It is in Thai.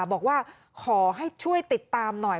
บอกว่าขอให้ช่วยติดตามหน่อย